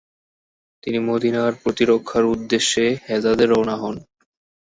তিনি মদিনার প্রতিরক্ষার উদ্দেশ্যে হেজাজে রওয়ানা হন।